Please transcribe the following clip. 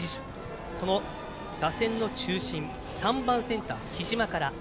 打線の中心３番センター、木嶋から。